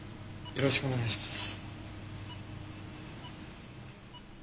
よろしくお願いします。